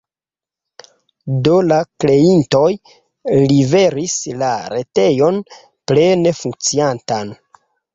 Do la kreintoj liveris la retejon plene funkciantan.